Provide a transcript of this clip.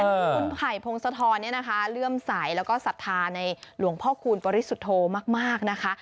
คุณไผ่พงศธรเรื่องสายและศรัทธาในหลวงพ่อคูณปริสุทธโธมากนะคะ